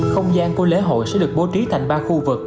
không gian của lễ hội sẽ được bố trí thành ba khu vực